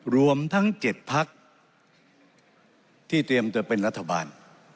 รวมทั้ง๗พักที่เตรียมจะเป็นรัฐบาล